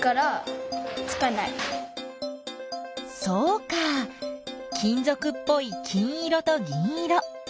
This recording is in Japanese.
そうか金ぞくっぽい金色と銀色。